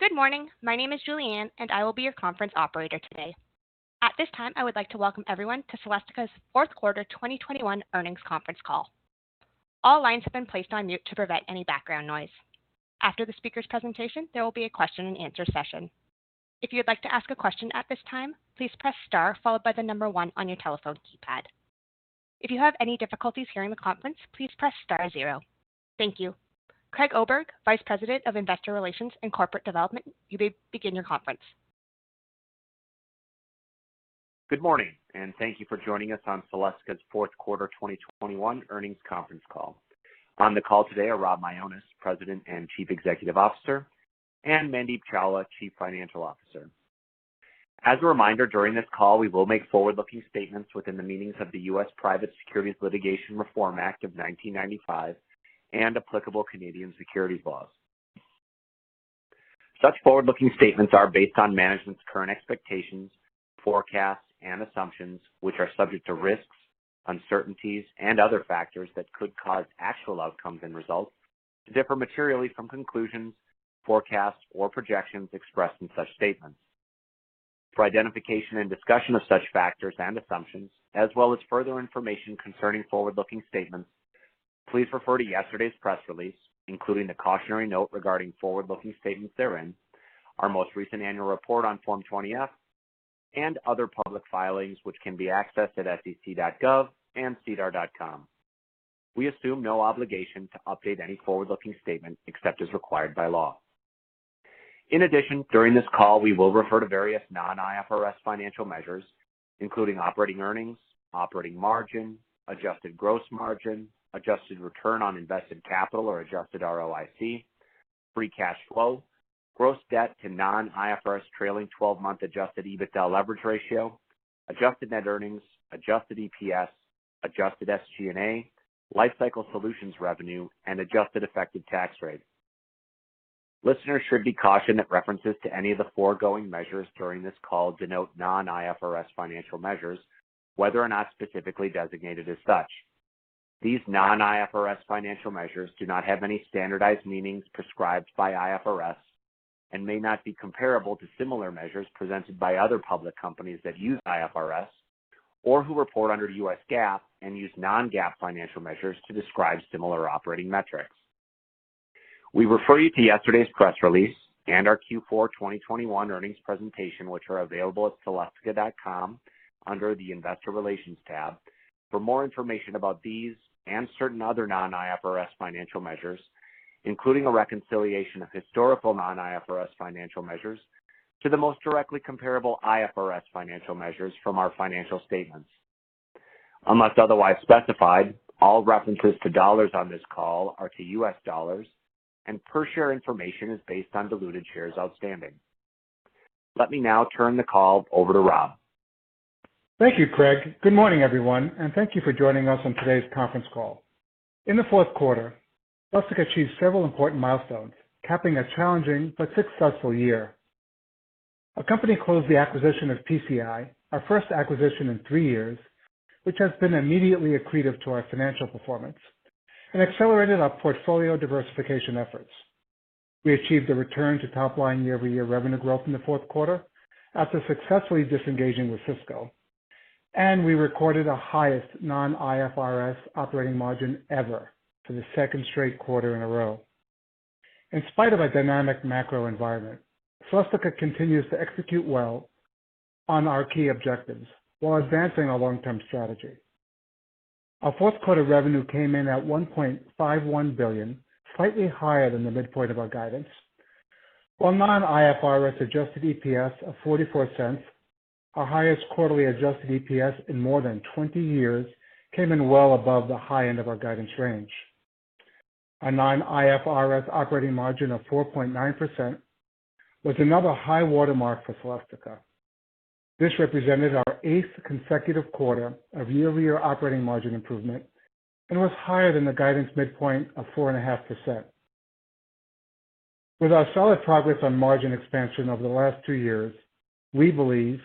Good morning. My name is Julianne, and I will be your conference operator today. At this time, I would like to welcome everyone to Celestica's fourth quarter 2021 earnings conference call. All lines have been placed on mute to prevent any background noise. After the speaker's presentation, there will be a question-and-answer session. If you'd like to ask a question at this time, please press star followed by the number one on your telephone keypad. If you have any difficulties hearing the conference, please press star zero. Thank you. Craig Oberg, Vice President of Investor Relations and Corporate Development, you may begin your conference. Good morning, and thank you for joining us on Celestica's fourth quarter 2021 earnings conference call. On the call today are Rob Mionis, President and Chief Executive Officer, and Mandeep Chawla, Chief Financial Officer. As a reminder, during this call, we will make forward-looking statements within the meanings of the U.S. Private Securities Litigation Reform Act of 1995 and applicable Canadian securities laws. Such forward-looking statements are based on management's current expectations, forecasts, and assumptions, which are subject to risks, uncertainties, and other factors that could cause actual outcomes and results to differ materially from conclusions, forecasts, or projections expressed in such statements. For identification and discussion of such factors and assumptions, as well as further information concerning forward-looking statements, please refer to yesterday's press release, including the cautionary note regarding forward-looking statements therein, our most recent annual report on Form 20-F, and other public filings, which can be accessed at sec.gov and sedar.com. We assume no obligation to update any forward-looking statement except as required by law. In addition, during this call, we will refer to various non-IFRS financial measures, including operating earnings, operating margin, adjusted gross margin, adjusted return on invested capital or adjusted ROIC, free cash flow, gross debt to non-IFRS trailing-twelve-month adjusted EBITDA leverage ratio, adjusted net earnings, adjusted EPS, adjusted SG&A, Lifecycle Solutions revenue, and adjusted effective tax rate. Listeners should be cautioned that references to any of the foregoing measures during this call denote non-IFRS financial measures, whether or not specifically designated as such. These non-IFRS financial measures do not have any standardized meanings prescribed by IFRS and may not be comparable to similar measures presented by other public companies that use IFRS or who report under US GAAP and use non-GAAP financial measures to describe similar operating metrics. We refer you to yesterday's press release and our Q4 2021 earnings presentation, which are available at celestica.com under the Investor Relations tab for more information about these and certain other non-IFRS financial measures, including a reconciliation of historical non-IFRS financial measures to the most directly comparable IFRS financial measures from our financial statements. Unless otherwise specified, all references to dollars on this call are to U.S. dollars, and per share information is based on diluted shares outstanding. Let me now turn the call over to Rob. Thank you, Craig. Good morning, everyone, and thank you for joining us on today's conference call. In the fourth quarter, Celestica achieved several important milestones, capping a challenging but successful year. Our company closed the acquisition of PCI, our first acquisition in three years, which has been immediately accretive to our financial performance and accelerated our portfolio diversification efforts. We achieved a return to top line year-over-year revenue growth in the fourth quarter after successfully disengaging with Cisco, and we recorded the highest non-IFRS operating margin ever for the second straight quarter in a row. In spite of a dynamic macro environment, Celestica continues to execute well on our key objectives while advancing our long-term strategy. Our fourth quarter revenue came in at $1.51 billion, slightly higher than the midpoint of our guidance. Our non-IFRS adjusted EPS of $0.44, our highest quarterly adjusted EPS in more than 20 years, came in well above the high end of our guidance range. Our non-IFRS operating margin of 4.9% was another high watermark for Celestica. This represented our eighth consecutive quarter of year-over-year operating margin improvement and was higher than the guidance midpoint of 4.5%. With our solid progress on margin expansion over the last two years, we believe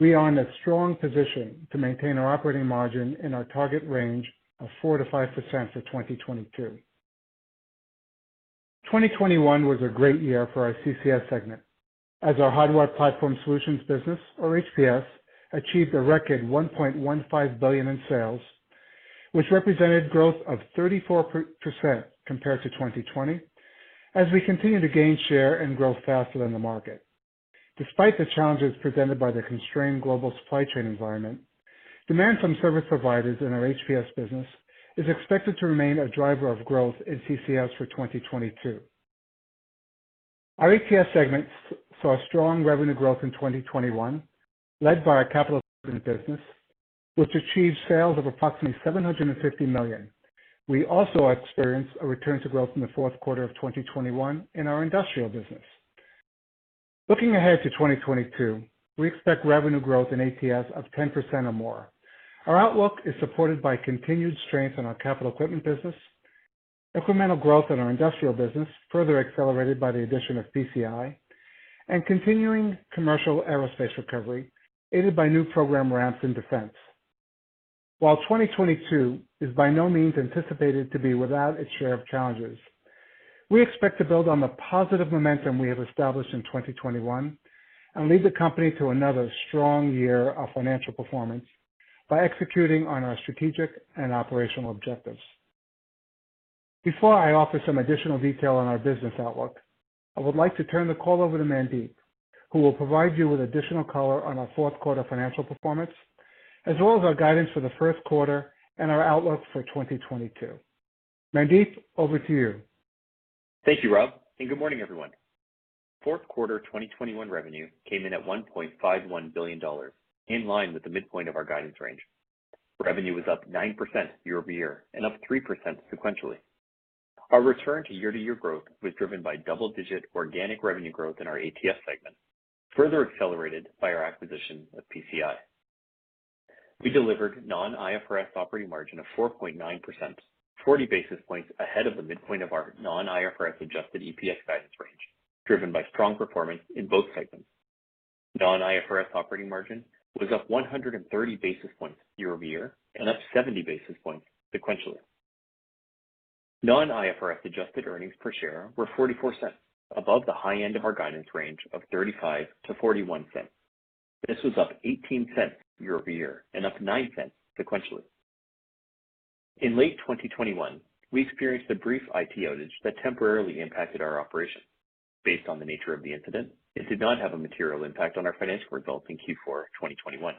we are in a strong position to maintain our operating margin in our target range of 4%-5% for 2022. 2021 was a great year for our CCS segment as our Hardware Platform Solutions business, or HPS, achieved a record $1.15 billion in sales, which represented growth of 34% compared to 2020 as we continue to gain share and grow faster than the market. Despite the challenges presented by the constrained global supply chain environment, demand from service providers in our HPS business is expected to remain a driver of growth in CCS for 2022. Our ATS segment saw strong revenue growth in 2021, led by our capital equipment business, which achieved sales of approximately $750 million. We also experienced a return to growth in the fourth quarter of 2021 in our industrial business. Looking ahead to 2022, we expect revenue growth in ATS of 10% or more. Our outlook is supported by continued strength in our capital equipment business, incremental growth in our industrial business further accelerated by the addition of PCI, and continuing commercial aerospace recovery aided by new program ramps in defense. While 2022 is by no means anticipated to be without its share of challenges, we expect to build on the positive momentum we have established in 2021 and lead the company to another strong year of financial performance by executing on our strategic and operational objectives. Before I offer some additional detail on our business outlook, I would like to turn the call over to Mandeep, who will provide you with additional color on our fourth quarter financial performance, as well as our guidance for the first quarter and our outlook for 2022. Mandeep, over to you. Thank you, Rob, and good morning, everyone. Fourth quarter 2021 revenue came in at $1.51 billion, in line with the midpoint of our guidance range. Revenue was up 9% year-over-year and up 3% sequentially. Our return to year-to-year growth was driven by double-digit organic revenue growth in our ATS segment, further accelerated by our acquisition of PCI. We delivered non-IFRS operating margin of 4.9%, 40 basis points ahead of the midpoint of our non-IFRS adjusted EPS guidance range, driven by strong performance in both segments. Non-IFRS operating margin was up 130 basis points year-over-year and up 70 basis points sequentially. Non-IFRS adjusted earnings per share were $0.44, above the high end of our guidance range of $0.35-$0.41. This was up $0.18 year-over-year and up $0.09 sequentially. In late 2021, we experienced a brief IT outage that temporarily impacted our operations. Based on the nature of the incident, it did not have a material impact on our financial results in Q4 2021.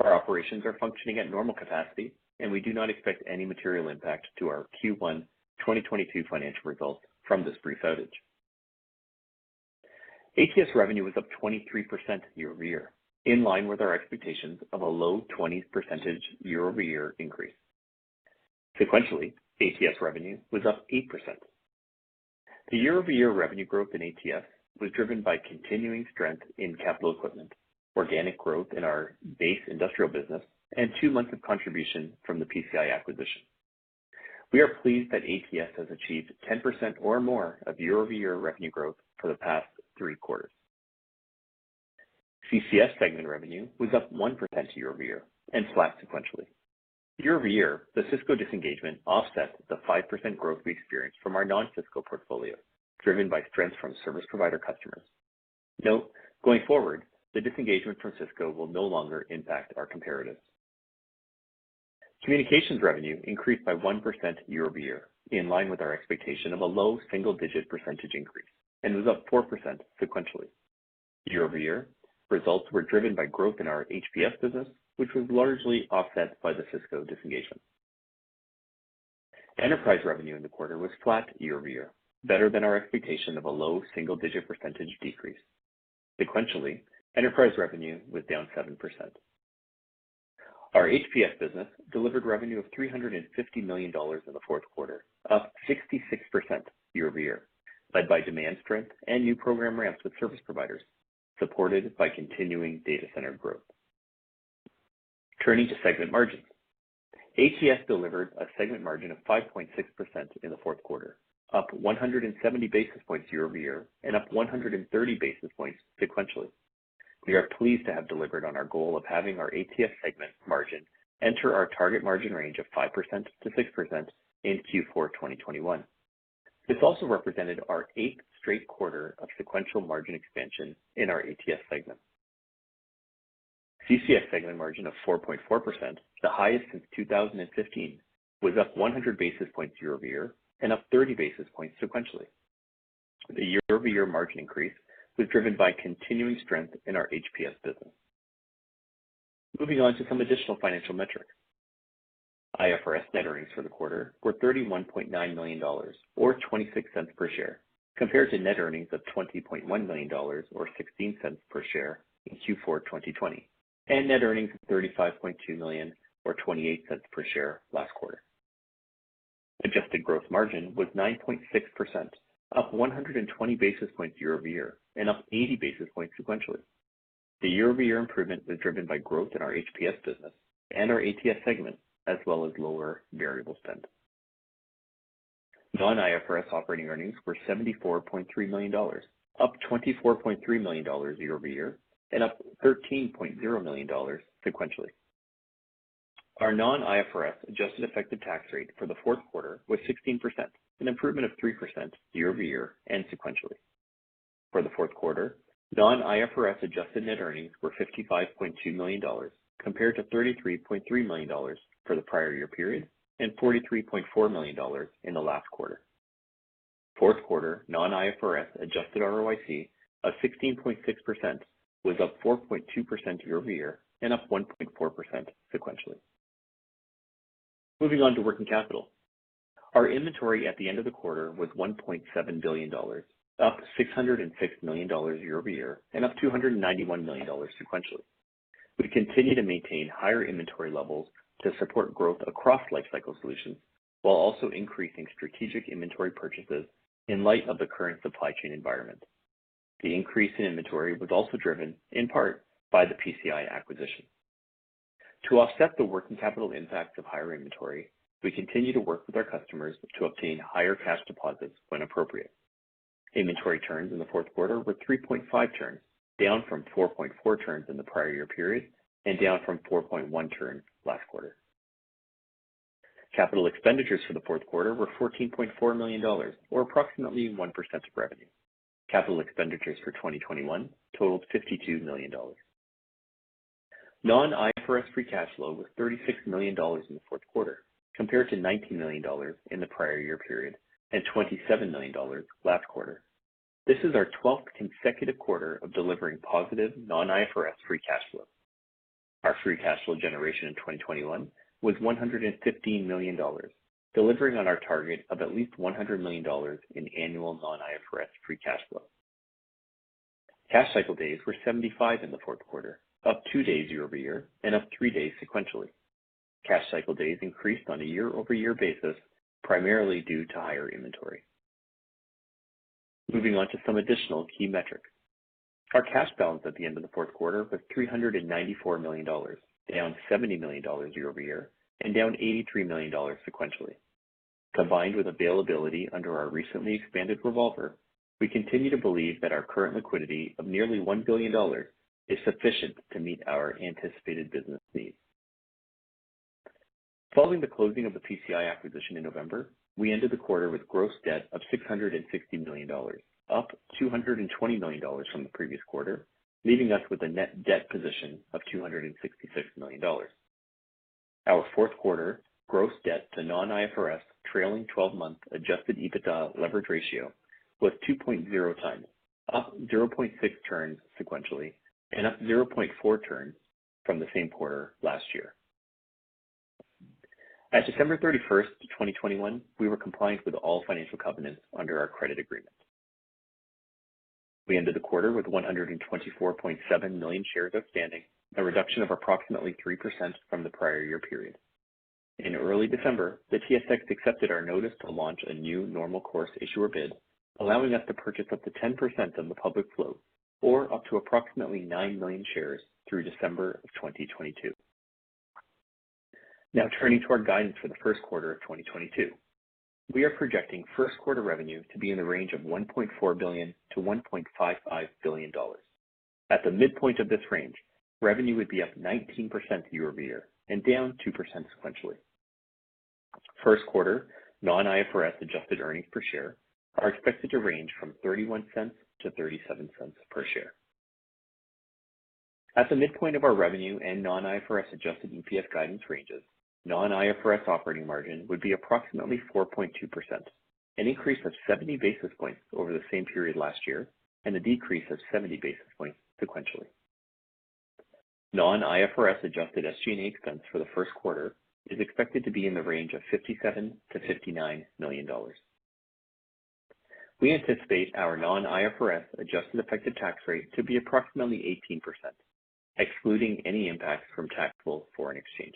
Our operations are functioning at normal capacity, and we do not expect any material impact to our Q1 2022 financial results from this brief outage. ATS revenue was up 23% year-over-year, in line with our expectations of a low 20s percentage year-over-year increase. Sequentially, ATS revenue was up 8%. The year-over-year revenue growth in ATS was driven by continuing strength in capital equipment, organic growth in our base industrial business, and two months of contribution from the PCI acquisition. We are pleased that ATS has achieved 10% or more of year-over-year revenue growth for the past three quarters. CCS segment revenue was up 1% year-over-year and flat sequentially. Year-over-year, the Cisco disengagement offset the 5% growth we experienced from our non-Cisco portfolio, driven by strength from service provider customers. Note, going forward, the disengagement from Cisco will no longer impact our comparatives. Communications revenue increased by 1% year-over-year, in line with our expectation of a low single-digit percentage increase, and was up 4% sequentially. Year-over-year, results were driven by growth in our HPS business, which was largely offset by the Cisco disengagement. Enterprise revenue in the quarter was flat year-over-year, better than our expectation of a low single-digit percentage decrease. Sequentially, enterprise revenue was down 7%. Our HPS business delivered revenue of $350 million in the fourth quarter, up 66% year-over-year, led by demand strength and new program ramps with service providers, supported by continuing data center growth. Turning to segment margins. ATS delivered a segment margin of 5.6% in the fourth quarter, up 170 basis points year-over-year and up 130 basis points sequentially. We are pleased to have delivered on our goal of having our ATS segment margin enter our target margin range of 5%-6% in Q4 2021. This also represented our eighth straight quarter of sequential margin expansion in our ATS segment. CCS segment margin of 4.4%, the highest since 2015, was up 100 basis points year-over-year and up 30 basis points sequentially. The year-over-year margin increase was driven by continuing strength in our HPS business. Moving on to some additional financial metrics. IFRS net earnings for the quarter were $31.9 million or $0.26 per share, compared to net earnings of $20.1 million or $0.16 per share in Q4 2020, and net earnings of $35.2 million or $0.28 per share last quarter. Adjusted gross margin was 9.6%, up 120 basis points year-over-year and up 80 basis points sequentially. The year-over-year improvement was driven by growth in our HPS business and our ATS segment, as well as lower variable spend. Non-IFRS operating earnings were $74.3 million, up $24.3 million year-over-year and up $13.0 million sequentially. Our non-IFRS adjusted effective tax rate for the fourth quarter was 16%, an improvement of 3% year-over-year and sequentially. For the fourth quarter, non-IFRS adjusted net earnings were $55.2 million, compared to $33.3 million for the prior year period and $43.4 million in the last quarter. Fourth quarter non-IFRS adjusted ROIC of 16.6% was up 4.2% year-over-year and up 1.4% sequentially. Moving on to working capital. Our inventory at the end of the quarter was $1.7 billion, up $606 million year-over-year and up $291 million sequentially. We continue to maintain higher inventory levels to support growth across Lifecycle Solutions while also increasing strategic inventory purchases in light of the current supply chain environment. The increase in inventory was also driven, in part, by the PCI acquisition. To offset the working capital impact of higher inventory, we continue to work with our customers to obtain higher cash deposits when appropriate. Inventory turns in the fourth quarter were 3.5% turns, down from 4.4 %turns in the prior year period and down from 4.1% turns last quarter. Capital expenditures for the fourth quarter were $14.4 million, or approximately 1% of revenue. Capital expenditures for 2021 totaled $52 million. Non-IFRS free cash flow was $36 million in the fourth quarter, compared to $19 million in the prior year period, and $27 million last quarter. This is our 12th consecutive quarter of delivering positive non-IFRS free cash flow. Our free cash flow generation in 2021 was $115 million, delivering on our target of at least $100 million in annual non-IFRS free cash flow. Cash cycle days were 75 in the fourth quarter, up two days year-over-year and up three days sequentially. Cash cycle days increased on a year-over-year basis, primarily due to higher inventory. Moving on to some additional key metrics. Our cash balance at the end of the fourth quarter was $394 million, down $70 million year-over-year and down $83 million sequentially. Combined with availability under our recently expanded revolver, we continue to believe that our current liquidity of nearly $1 billion is sufficient to meet our anticipated business needs. Following the closing of the PCI acquisition in November, we ended the quarter with gross debt of $660 million, up $220 million from the previous quarter, leaving us with a net debt position of $266 million. Our fourth quarter gross debt to non-IFRS trailing twelve-month adjusted EBITDA leverage ratio was 2.0x, up 0.6x turns sequentially and up 0.4x turns from the same quarter last year. At December 31st, 2021, we were compliant with all financial covenants under our credit agreement. We ended the quarter with 124.7 million shares outstanding, a reduction of approximately 3% from the prior year period. In early December, the TSX accepted our notice to launch a new normal course issuer bid, allowing us to purchase up to 10% of the public float or up to approximately nine million shares through December of 2022. Now turning to our guidance for the first quarter of 2022. We are projecting first quarter revenue to be in the range of $1.4 billion-$1.55 billion. At the midpoint of this range, revenue would be up 19% year-over-year and down 2% sequentially. First quarter non-IFRS adjusted earnings per share are expected to range from $0.31 -$0.37 per share. At the midpoint of our revenue and non-IFRS adjusted EPS guidance ranges, non-IFRS operating margin would be approximately 4.2%, an increase of 70 basis points over the same period last year, and a decrease of 70 basis points sequentially. Non-IFRS adjusted SG&A expense for the first quarter is expected to be in the range of $57 million-$59 million. We anticipate our non-IFRS adjusted effective tax rate to be approximately 18%, excluding any impact from taxable foreign exchange.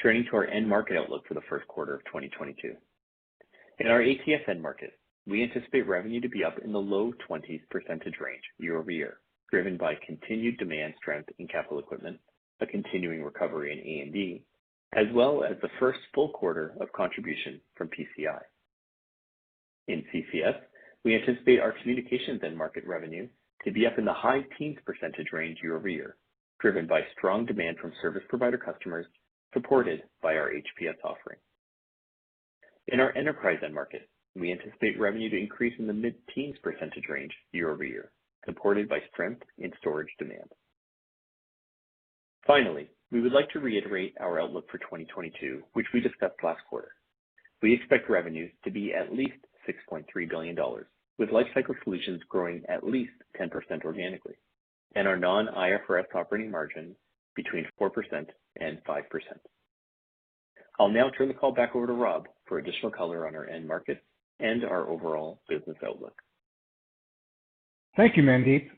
Turning to our end market outlook for the first quarter of 2022. In our ATS end market, we anticipate revenue to be up in the low 20s percentage range year-over-year, driven by continued demand strength in capital equipment, a continuing recovery in A&D, as well as the first full quarter of contribution from PCI. In CCS, we anticipate our communications end market revenue to be up in the high-teens percentage range year-over-year, driven by strong demand from service provider customers supported by our HPS offering. In our enterprise end market, we anticipate revenue to increase in the mid-teens percentage range year-over-year, supported by strength in storage demand. Finally, we would like to reiterate our outlook for 2022, which we discussed last quarter. We expect revenue to be at least $6.3 billion, with Lifecycle Solutions growing at least 10% organically, and our non-IFRS operating margin between 4% and 5%. I'll now turn the call back over to Rob for additional color on our end market and our overall business outlook. Thank you, Mandeep.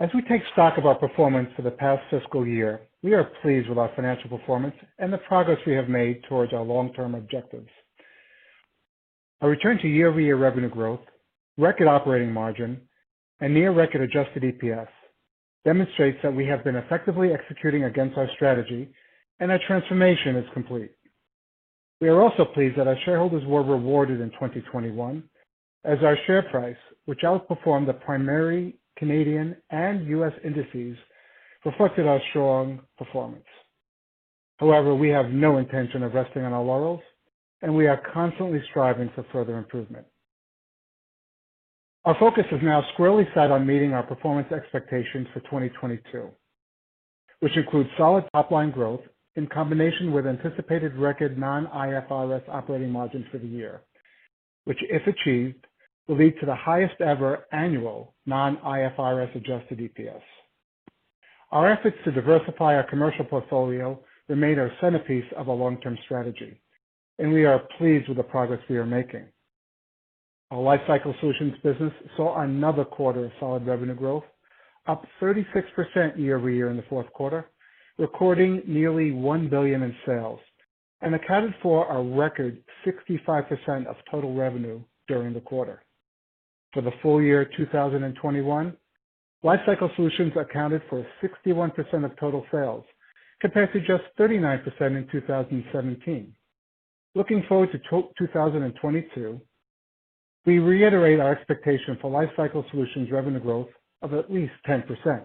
As we take stock of our performance for the past fiscal year, we are pleased with our financial performance and the progress we have made towards our long-term objectives. A return to year-over-year revenue growth, record operating margin, and near record adjusted EPS demonstrates that we have been effectively executing against our strategy and our transformation is complete. We are also pleased that our shareholders were rewarded in 2021 as our share price, which outperformed the primary Canadian and U.S. indices, reflected our strong performance. However, we have no intention of resting on our laurels, and we are constantly striving for further improvement. Our focus is now squarely set on meeting our performance expectations for 2022, which includes solid top-line growth in combination with anticipated record non-IFRS operating margin for the year, which, if achieved, will lead to the highest ever annual non-IFRS adjusted EPS. Our efforts to diversify our commercial portfolio remain our centerpiece of our long-term strategy, and we are pleased with the progress we are making. Our Lifecycle Solutions business saw another quarter of solid revenue growth, up 36% year-over-year in the fourth quarter, recording nearly $1 billion in sales, and accounted for a record 65% of total revenue during the quarter. For the full year 2021, Lifecycle Solutions accounted for 61% of total sales, compared to just 39% in 2017. Looking forward to 2022, we reiterate our expectation for Lifecycle Solutions revenue growth of at least 10%.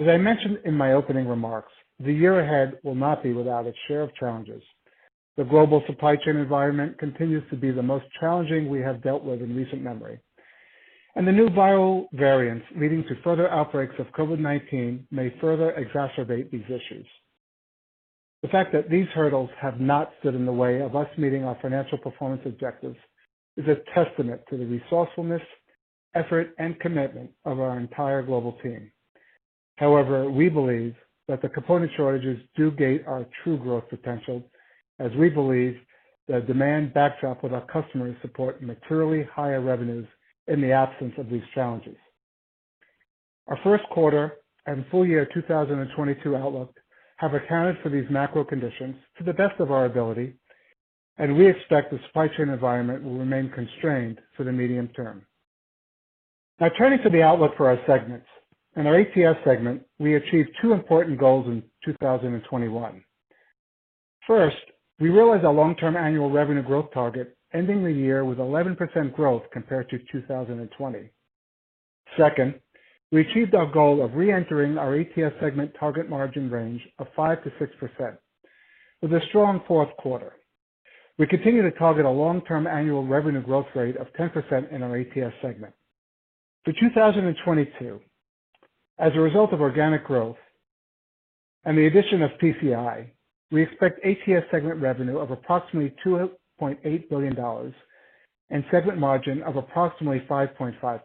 As I mentioned in my opening remarks, the year ahead will not be without its share of challenges. The global supply chain environment continues to be the most challenging we have dealt with in recent memory, and the new viral variants leading to further outbreaks of COVID-19 may further exacerbate these issues. The fact that these hurdles have not stood in the way of us meeting our financial performance objectives is a testament to the resourcefulness, effort, and commitment of our entire global team. However, we believe that the component shortages do gate our true growth potential as we believe the demand backdrop with our customers support materially higher revenues in the absence of these challenges. Our first quarter and full year 2022 outlook have accounted for these macro conditions to the best of our ability, and we expect the supply chain environment will remain constrained for the medium term. Now turning to the outlook for our segments. In our ATS segment, we achieved two important goals in 2021. First, we realized our long-term annual revenue growth target, ending the year with 11% growth compared to 2020. Second, we achieved our goal of reentering our ATS segment target margin range of 5%-6% with a strong fourth quarter. We continue to target a long-term annual revenue growth rate of 10% in our ATS segment. For 2022, as a result of organic growth and the addition of PCI, we expect ATS segment revenue of approximately $2.8 billion and segment margin of approximately 5.5%.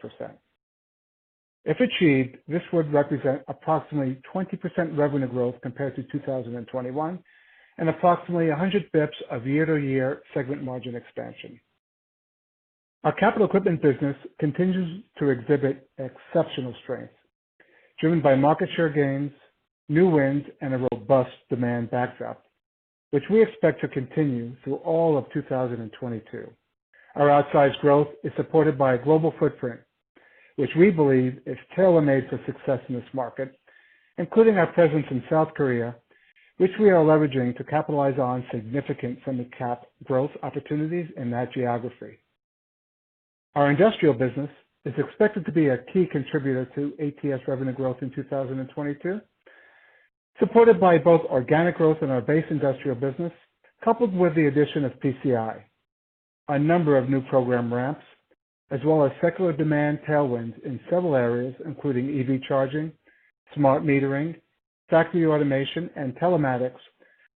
If achieved, this would represent approximately 20% revenue growth compared to 2021 and approximately 100 BPS of year-to-year segment margin expansion. Our capital equipment business continues to exhibit exceptional strength driven by market share gains, new wins, and a robust demand backdrop, which we expect to continue through all of 2022. Our outsized growth is supported by a global footprint, which we believe is tailor-made for success in this market, including our presence in South Korea, which we are leveraging to capitalize on significant semi-cap growth opportunities in that geography. Our industrial business is expected to be a key contributor to ATS revenue growth in 2022, supported by both organic growth in our base industrial business coupled with the addition of PCI. A number of new program ramps, as well as secular demand tailwinds in several areas, including EV charging, smart metering, factory automation, and telematics,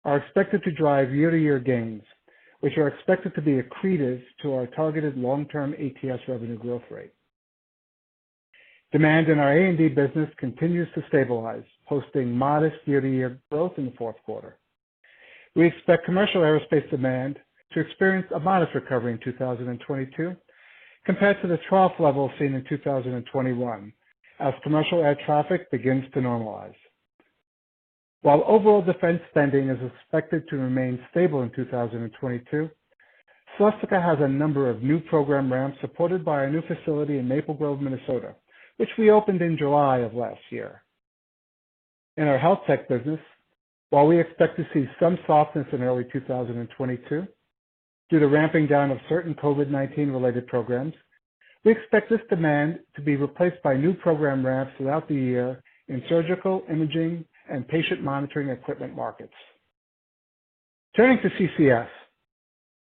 are expected to drive year-to-year gains, which are expected to be accretive to our targeted long-term ATS revenue growth rate. Demand in our A&D business continues to stabilize, posting modest year-to-year growth in the fourth quarter. We expect commercial aerospace demand to experience a modest recovery in 2022 compared to the trough level seen in 2021 as commercial air traffic begins to normalize. While overall defense spending is expected to remain stable in 2022, Celestica has a number of new program ramps supported by our new facility in Maple Grove, Minnesota, which we opened in July of last year. In our health tech business, while we expect to see some softness in early 2022 due to ramping down of certain COVID-19-related programs, we expect this demand to be replaced by new program ramps throughout the year in surgical, imaging, and patient monitoring equipment markets. Turning to CCS.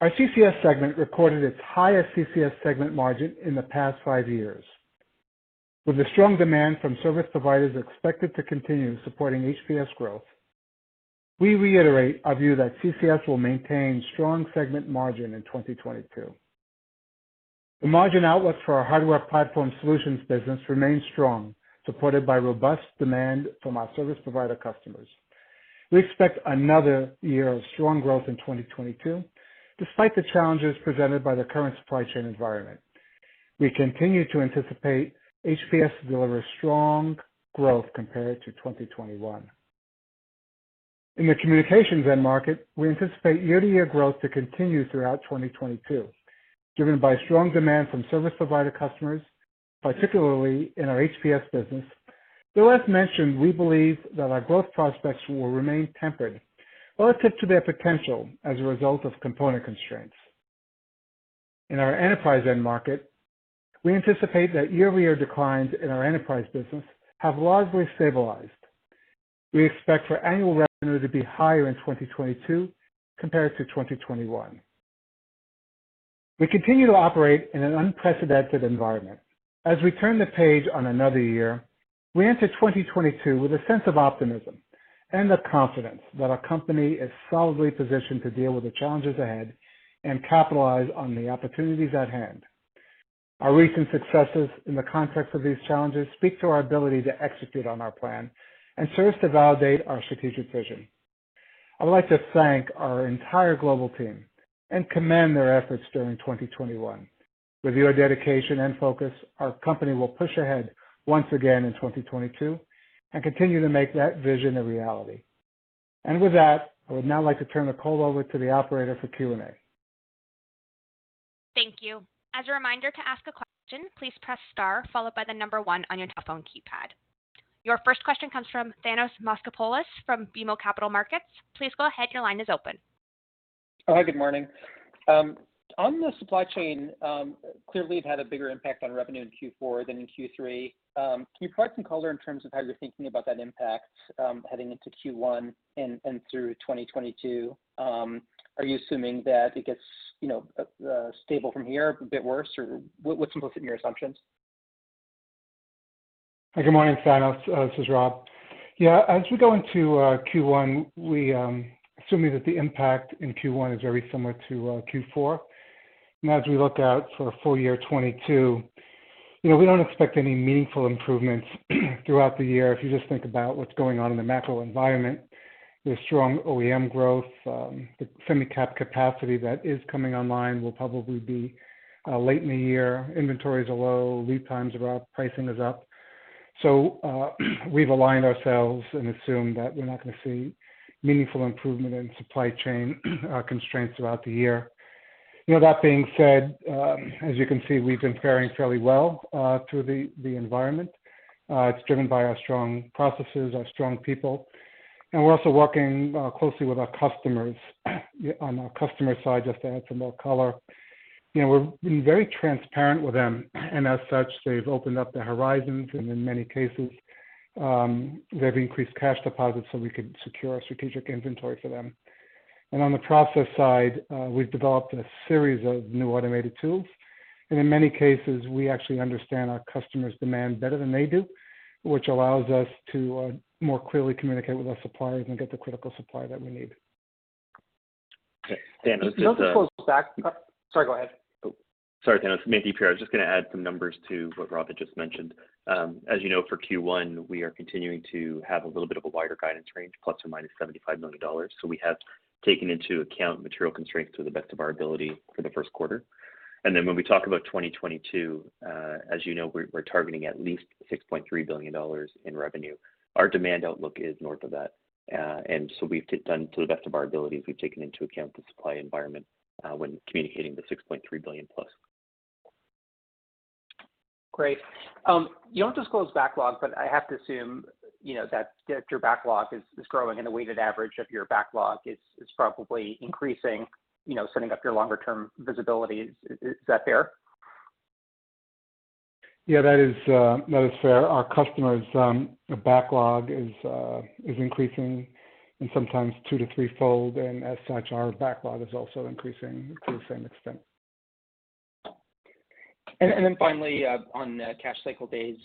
Our CCS segment recorded its highest CCS segment margin in the past five years. With the strong demand from service providers expected to continue supporting HPS growth, we reiterate our view that CCS will maintain strong segment margin in 2022. The margin outlook for our Hardware Platform Solutions business remains strong, supported by robust demand from our service provider customers. We expect another year of strong growth in 2022 despite the challenges presented by the current supply chain environment. We continue to anticipate HPS to deliver strong growth compared to 2021. In the communications end market, we anticipate year-over-year growth to continue throughout 2022, driven by strong demand from service provider customers, particularly in our HPS business, though, as mentioned, we believe that our growth prospects will remain tempered relative to their potential as a result of component constraints. In our enterprise end market, we anticipate that year-over-year declines in our enterprise business have largely stabilized. We expect for annual revenue to be higher in 2022 compared to 2021. We continue to operate in an unprecedented environment. As we turn the page on another year, we enter 2022 with a sense of optimism and the confidence that our company is solidly positioned to deal with the challenges ahead and capitalize on the opportunities at hand. Our recent successes in the context of these challenges speak to our ability to execute on our plan and serves to validate our strategic vision. I would like to thank our entire global team and commend their efforts during 2021. With your dedication and focus, our company will push ahead once again in 2022 and continue to make that vision a reality. With that, I would now like to turn the call over to the operator for Q&A. Thank you. As a reminder, to ask a question, please press star followed by the number one on your telephone keypad. Your first question comes from Thanos Moschopoulos from BMO Capital Markets. Please go ahead. Your line is open. Oh, hi, good morning. On the supply chain, clearly it had a bigger impact on revenue in Q4 than in Q3. Can you provide some color in terms of how you're thinking about that impact, heading into Q1 and through 2022? Are you assuming that it gets, you know, stable from here, a bit worse? Or what's implicit in your assumptions? Hi. Good morning, Thanos. This is Rob. As we go into Q1, assuming that the impact in Q1 is very similar to Q4. As we look out for full year 2022, we don't expect any meaningful improvements throughout the year. If you just think about what's going on in the macro environment, the strong OEM growth, the semi-cap capacity that is coming online will probably be late in the year. Inventories are low, lead times are up, pricing is up. We've aligned ourselves and assume that we're not gonna see meaningful improvement in supply chain constraints throughout the year. That being said, as you can see, we've been faring fairly well through the environment. It's driven by our strong processes, our strong people, and we're also working closely with our customers on our customer side, just to add some more color. You know, we're being very transparent with them. As such, they've opened up their horizons, and in many cases, they've increased cash deposits, so we could secure our strategic inventory for them. On the process side, we've developed a series of new automated tools, and in many cases, we actually understand our customers' demand better than they do, which allows us to more clearly communicate with our suppliers and get the critical supply that we need. Okay. Thanos, just- Sorry, go ahead. Oh. Sorry, Thanos. It's Mandeep here. I was just gonna add some numbers to what Rob had just mentioned. As you know, for Q1, we are continuing to have a little bit of a wider guidance range ±$75 million. We have taken into account material constraints to the best of our ability for the first quarter. When we talk about 2022, as you know, we're targeting at least $6.3 billion in revenue. Our demand outlook is north of that. We've done, to the best of our abilities, we've taken into account the supply environment when communicating the $6.3 billion+. Great. You don't disclose backlogs, but I have to assume, you know, that your backlog is growing, and the weighted average of your backlog is probably increasing, you know, setting up your longer term visibility. Is that fair? Yeah, that is fair. Our customers' backlog is increasing, and sometimes two to three-fold, and as such, our backlog is also increasing to the same extent. Then finally, on cash cycle days,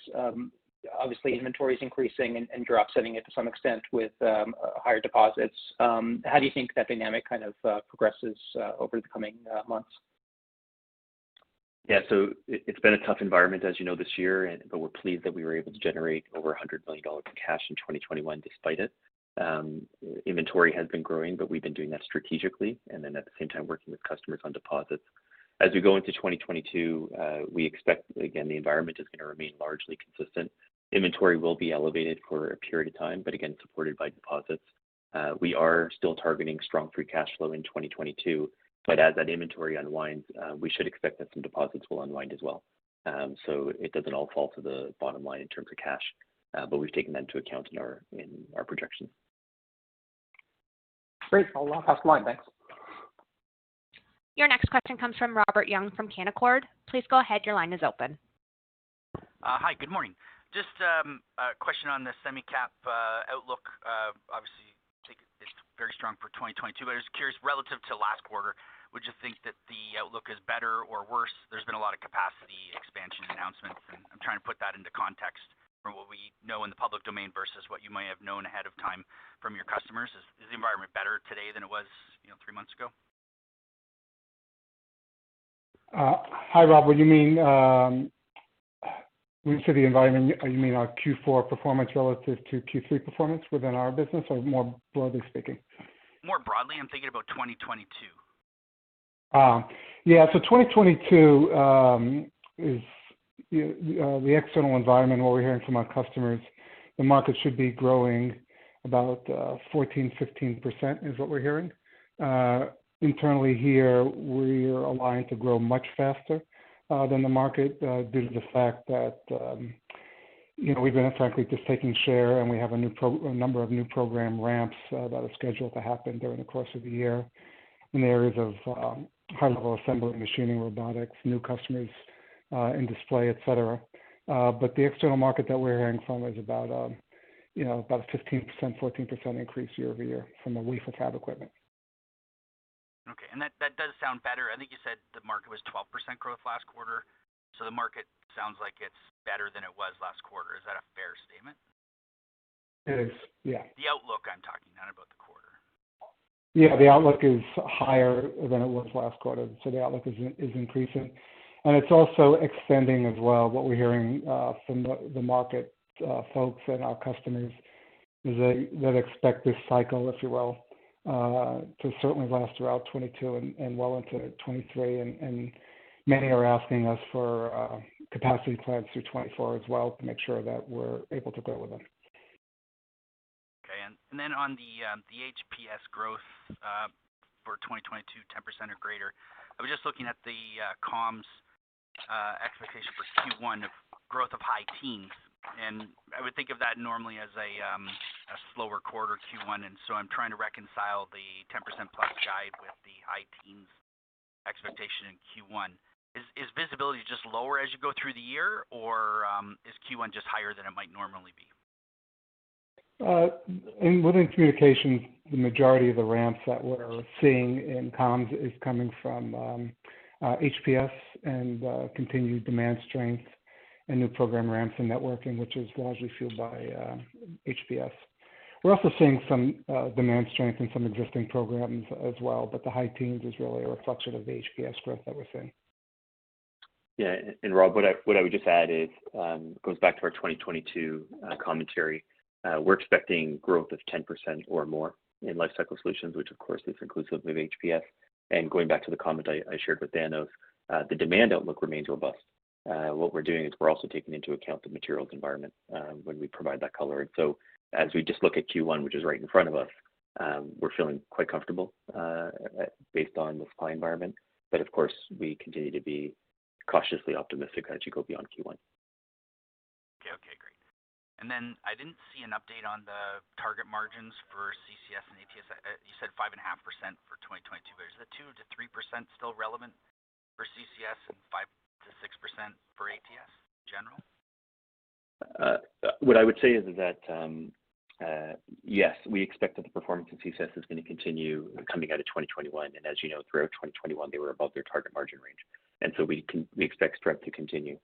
obviously, inventory is increasing and you're offsetting it to some extent with higher deposits. How do you think that dynamic kind of progresses over the coming months? Yeah. It's been a tough environment, as you know, this year, but we're pleased that we were able to generate over $100 million in cash in 2021 despite it. Inventory has been growing, but we've been doing that strategically, and then at the same time, working with customers on deposits. As we go into 2022, we expect, again, the environment is gonna remain largely consistent. Inventory will be elevated for a period of time, but again, supported by deposits. We are still targeting strong free cash flow in 2022, but as that inventory unwinds, we should expect that some deposits will unwind as well. It doesn't all fall to the bottom line in terms of cash, but we've taken that into account in our projections. Great. I'll pass the line. Thanks. Your next question comes from Robert Young from Canaccord. Please go ahead. Your line is open. Hi, good morning. Just a question on the semi-cap outlook. Obviously, you think it's very strong for 2022, but I'm just curious, relative to last quarter, would you think that the outlook is better or worse? There's been a lot of capacity expansion announcements, and I'm trying to put that into context from what we know in the public domain versus what you might have known ahead of time from your customers. Is the environment better today than it was, you know, three months ago? Hi, Rob. When you say the environment, you mean our Q4 performance relative to Q3 performance within our business or more broadly speaking? More broadly, I'm thinking about 2022. 2022 is the external environment, what we're hearing from our customers, the market should be growing about 14%-15%, is what we're hearing. Internally here, we are aligned to grow much faster than the market due to the fact that you know, we've been frankly just taking share, and we have a number of new program ramps that are scheduled to happen during the course of the year in the areas of high-level assembly, machining, robotics, new customers in display, et cetera. The external market that we're hearing from is about you know, about a 14%-15% increase year-over-year from the wafer fab equipment. Okay. That does sound better. I think you said the market was 12% growth last quarter. The market sounds like it's better than it was last quarter. Is that a fair statement? It is, yeah. The outlook, I'm talking, not about the quarter. Yeah. The outlook is higher than it was last quarter. The outlook is increasing. It's also extending as well. What we're hearing from the market folks and our customers is that they expect this cycle, if you will, to certainly last throughout 2022 and well into 2023. Many are asking us for capacity plans through 2024 as well to make sure that we're able to go with them. On the HPS growth for 2022, 10% or greater, I was just looking at the comms expectation for Q1 of growth of high-teens. I would think of that normally as a slower quarter Q1, so I'm trying to reconcile the 10%+ guide with the high teens expectation in Q1. Is visibility just lower as you go through the year, or is Q1 just higher than it might normally be? Within communication, the majority of the ramps that we're seeing in comms is coming from HPS and continued demand strength and new program ramps and networking, which is largely fueled by HPS. We're also seeing some demand strength in some existing programs as well, but the high teens is really a reflection of the HPS growth that we're seeing. Yeah. Rob, what I would just add is, it goes back to our 2022 commentary. We're expecting growth of 10% or more in Lifecycle Solutions, which of course is inclusive of HPS. Going back to the comment I shared with Dan, the demand outlook remains robust. What we're doing is we're also taking into account the materials environment when we provide that color. As we just look at Q1, which is right in front of us, we're feeling quite comfortable based on the supply environment. Of course, we continue to be cautiously optimistic as you go beyond Q1. Okay. Okay, great. I didn't see an update on the target margins for CCS and ATS. You said 5.5% for 2022. Is the 2%-3% still relevant for CCS and 5%-6% for ATS in general? What I would say is that yes, we expect that the performance in CCS is gonna continue coming out of 2021. As you know, throughout 2021, they were above their target margin range. We expect strength to continue.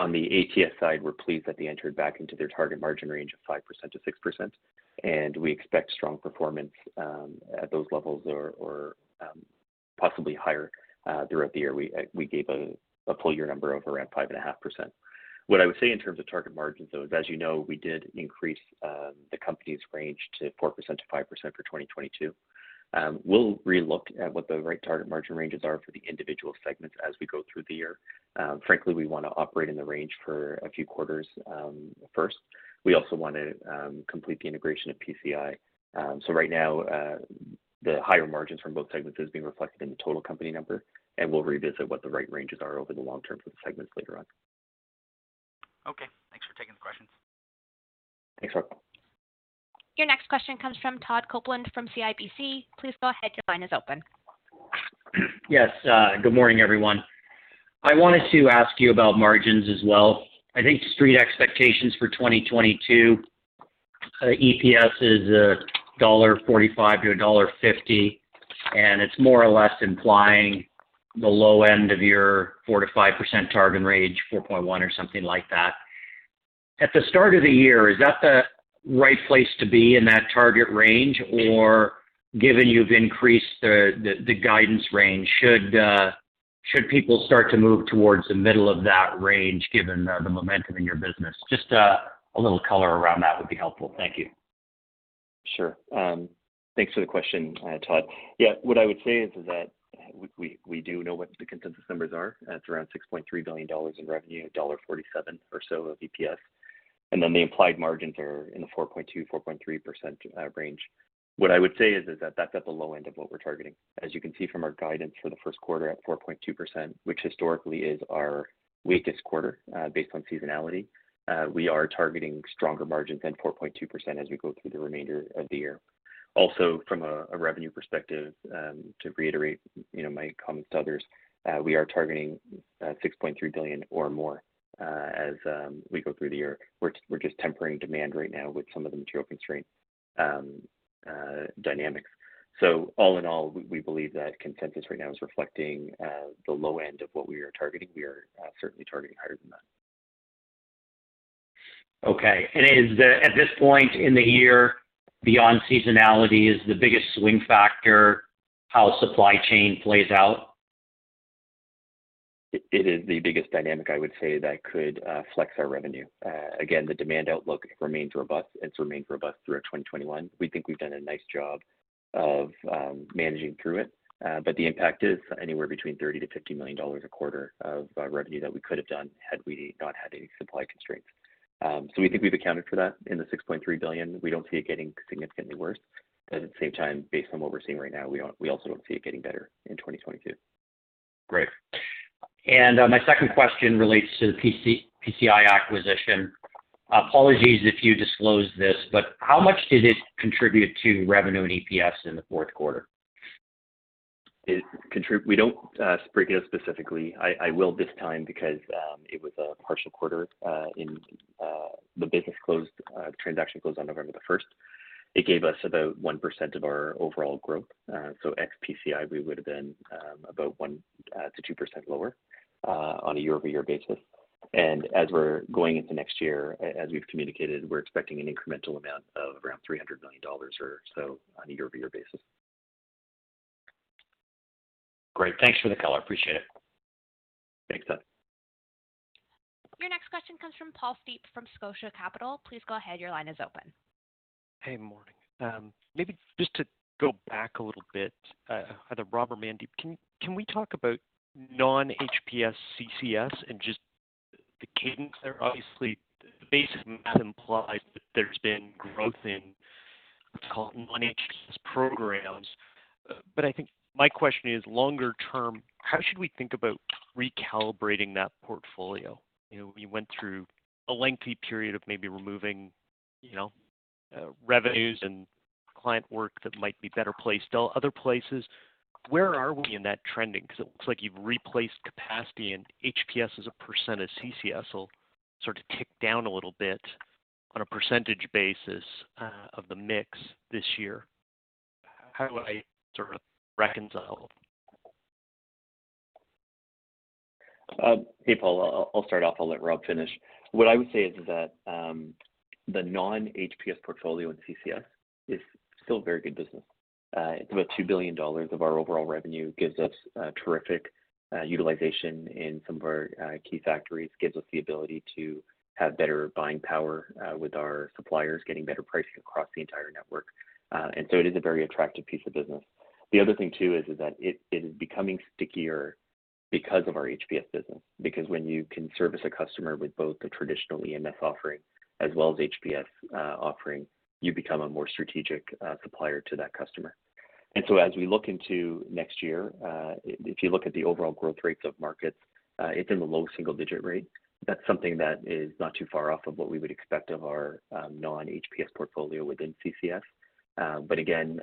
On the ATS side, we're pleased that they entered back into their target margin range of 5%-6%, and we expect strong performance at those levels or possibly higher throughout the year. We gave a full year number of around 5.5%. What I would say in terms of target margins, though, is, as you know, we did increase the company's range to 4%-5% for 2022. We'll relook at what the right target margin ranges are for the individual segments as we go through the year. Frankly, we wanna operate in the range for a few quarters first. We also wanna complete the integration of PCI. Right now, the higher margins from both segments is being reflected in the total company number, and we'll revisit what the right ranges are over the long term for the segments later on. Okay. Thanks for taking the questions. Thanks, Rob. Your next question comes from Todd Coupland from CIBC. Please go ahead, your line is open. Yes, good morning, everyone. I wanted to ask you about margins as well. I think street expectations for 2022 EPS is $0.45-$0.50, and it's more or less implying the low end of your 4%-5% target range, 4.1% or something like that. At the start of the year, is that the right place to be in that target range? Or given you've increased the guidance range, should people start to move towards the middle of that range, given the momentum in your business? Just, a little color around that would be helpful. Thank you. Sure. Thanks for the question, Todd. Yeah. What I would say is that we do know what the consensus numbers are. It's around $6.3 billion in revenue, $1.47 or so of EPS. And then the implied margins are in the 4.2%-4.3% range. What I would say is that that's at the low end of what we're targeting. As you can see from our guidance for the first quarter at 4.2%, which historically is our weakest quarter, based on seasonality, we are targeting stronger margins than 4.2% as we go through the remainder of the year. Also, from a revenue perspective, to reiterate, you know, my comments to others, we are targeting $6.3 billion or more as we go through the year. We're just tempering demand right now with some of the material constraint dynamics. All in all, we believe that consensus right now is reflecting the low end of what we are targeting. We are certainly targeting higher than that. Okay. Is, at this point in the year, beyond seasonality, the biggest swing factor how supply chain plays out? It is the biggest dynamic, I would say, that could flex our revenue. Again, the demand outlook remains robust. It's remained robust throughout 2021. We think we've done a nice job of managing through it. The impact is anywhere between $30 million and $50 million a quarter of revenue that we could have done had we not had any supply constraints. We think we've accounted for that in the $6.3 billion. We don't see it getting significantly worse. At the same time, based on what we're seeing right now, we also don't see it getting better in 2022. Great. My second question relates to the PCI acquisition. Apologies if you disclosed this, but how much did it contribute to revenue and EPS in the fourth quarter? We don't break it out specifically. I will this time because it was a partial quarter. The transaction closed on November 1st. It gave us about 1% of our overall growth. So ex-PCI, we would have been about 1%-2% lower on a year-over-year basis. As we're going into next year, as we've communicated, we're expecting an incremental amount of around $300 million or so on a year-over-year basis. Great. Thanks for the color. Appreciate it. Thanks, Todd. Your next question comes from Paul Steep from Scotia Capital. Please go ahead, your line is open. Hey, morning. Maybe just to go back a little bit, either Rob or Mandeep, can we talk about non-HPS CCS and just- The cadence there, obviously, the basic math implies that there's been growth in what's called managed programs. I think my question is, longer term, how should we think about recalibrating that portfolio? You know, we went through a lengthy period of maybe removing, you know, revenues and client work that might be better placed to other places. Where are we in that trending? Because it looks like you've replaced capacity and HPS as a percent of CCS will sort of tick down a little bit on a percentage basis, of the mix this year. How do I sort of reconcile? Hey, Paul. I'll start off. I'll let Rob finish. What I would say is that the non-HPS portfolio in CCS is still a very good business. It's about $2 billion of our overall revenue. Gives us terrific utilization in some of our key factories, gives us the ability to have better buying power with our suppliers, getting better pricing across the entire network. It is a very attractive piece of business. The other thing, too, is that it is becoming stickier because of our HPS business, because when you can service a customer with both the traditional EMS offering as well as HPS offering, you become a more strategic supplier to that customer. As we look into next year, if you look at the overall growth rates of markets, it's in the low single-digit rate. That's something that is not too far off of what we would expect of our non-HPS portfolio within CCS. But again,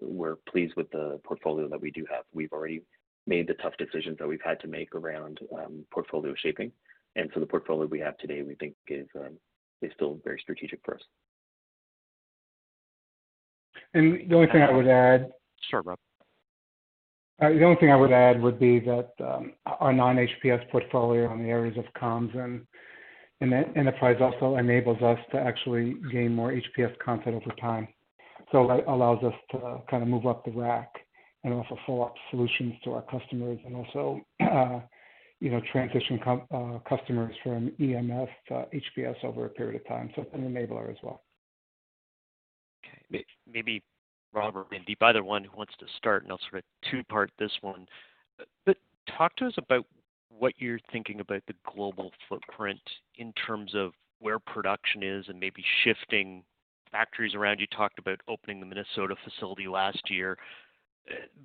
we're pleased with the portfolio that we do have. We've already made the tough decisions that we've had to make around portfolio shaping. The portfolio we have today, we think is still very strategic for us. The only thing I would add. Sure, Rob. The only thing I would add would be that our non-HPS portfolio in the areas of comms and enterprise also enables us to actually gain more HPS content over time. That allows us to kind of move up the rack and also sell our solutions to our customers and also you know transition customers from EMS to HPS over a period of time, so an enabler as well. Okay. Maybe Rob or Mandeep, either one who wants to start, and I'll sort of two-part this one. Talk to us about what you're thinking about the global footprint in terms of where production is and maybe shifting factories around. You talked about opening the Minnesota facility last year,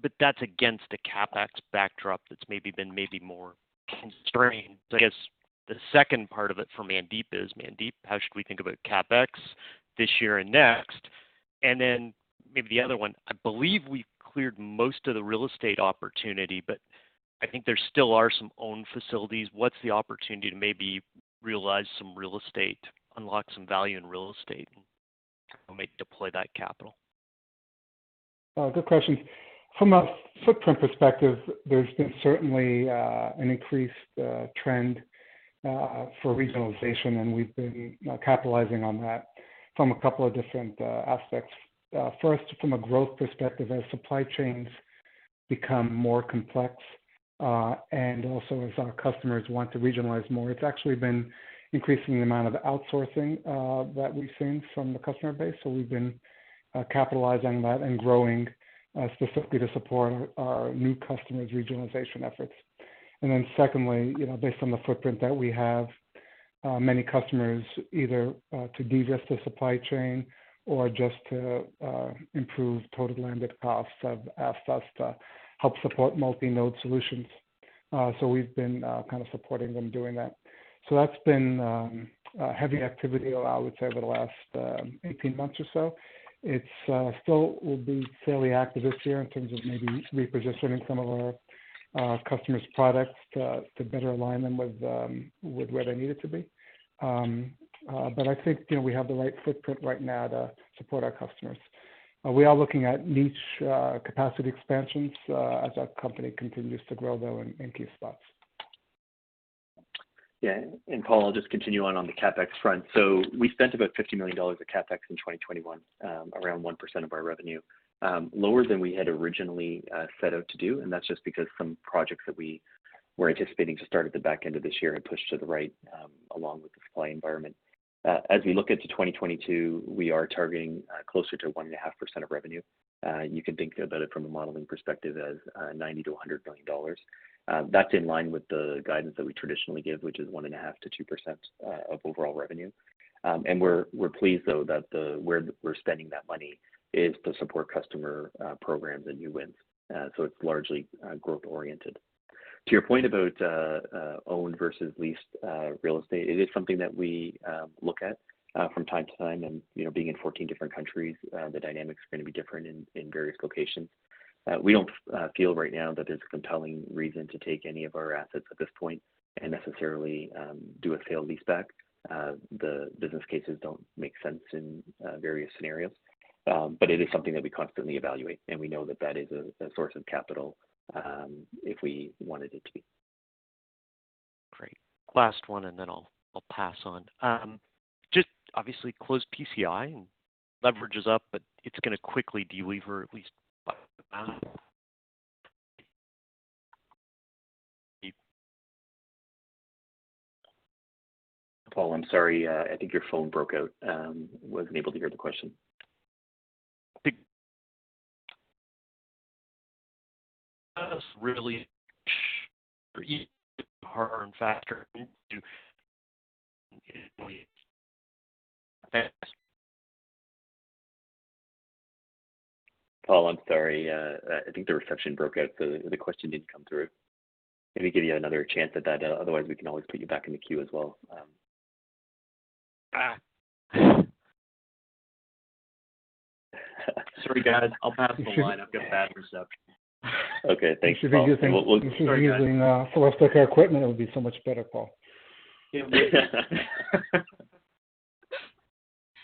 but that's against a CapEx backdrop that's maybe been maybe more constrained. I guess the second part of it for Mandeep is, Mandeep, how should we think about CapEx this year and next? Then maybe the other one, I believe we've cleared most of the real estate opportunity, but I think there still are some owned facilities. What's the opportunity to maybe realize some real estate, unlock some value in real estate, and maybe deploy that capital? Good question. From a footprint perspective, there's been certainly an increased trend for regionalization, and we've been capitalizing on that from a couple of different aspects. First, from a growth perspective, as supply chains become more complex and also as our customers want to regionalize more, it's actually been increasing the amount of outsourcing that we've seen from the customer base. We've been capitalizing that and growing specifically to support our new customers' regionalization efforts. Then secondly, you know, based on the footprint that we have, many customers either to de-risk the supply chain or just to improve total landed costs have asked us to help support multi-node solutions. We've been kind of supporting them doing that. That's been a heavy activity, I would say, over the last 18 months or so. It still will be fairly active this year in terms of maybe repositioning some of our customers' products to better align them with where they need it to be. I think, you know, we have the right footprint right now to support our customers. We are looking at niche capacity expansions as our company continues to grow, though in key spots. Yeah. Paul, I'll just continue on the CapEx front. We spent about $50 million of CapEx in 2021, around 1% of our revenue. Lower than we had originally set out to do, and that's just because some projects that we were anticipating to start at the back end of this year have pushed to the right, along with the supply environment. As we look into 2022, we are targeting closer to 1.5% of revenue. You can think about it from a modeling perspective as $90 million-$100 million. That's in line with the guidance that we traditionally give, which is 1.5%-2% of overall revenue. We're pleased that where we're spending that money is to support customer programs and new wins. It's largely growth-oriented. To your point about owned versus leased real estate, it is something that we look at from time to time. You know, being in 14 different countries, the dynamics are gonna be different in various locations. We don't feel right now that there's a compelling reason to take any of our assets at this point and necessarily do a sale-leaseback. The business cases don't make sense in various scenarios. It is something that we constantly evaluate, and we know that that is a source of capital if we wanted it to be. Great. Last one, and then I'll pass on. Just obviously closed PCI and leverage is up, but it's gonna quickly de-lever at least. Paul, I'm sorry. I think your phone broke up. I wasn't able to hear the question. Does really harder and faster to- Paul, I'm sorry. I think the reception broke up, so the question didn't come through. Let me give you another chance at that. Otherwise, we can always put you back in the queue as well. Sorry, guys, I'll pass the line. I've got bad reception. Okay. Thanks, Paul. If you're using [Forest Echo equipment], it would be so much better, Paul. Yeah.